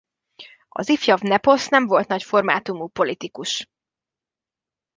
Az ifjabb Nepos nem volt nagy formátumú politikus.